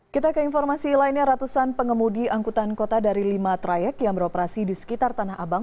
kita ke informasi lainnya ratusan pengemudi angkutan kota dari lima trayek yang beroperasi di sekitar tanah abang